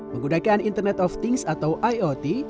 menggunakan internet of things atau iot